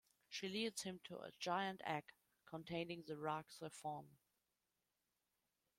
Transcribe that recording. She leads him to a giant egg containing the RahXephon.